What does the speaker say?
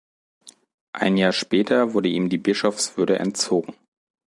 Ein Jahr später wurde ihm die Bischofswürde entzogen.